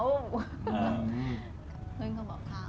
เพื่อนก็บอกเขา